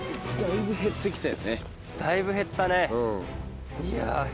だいぶ減ったね。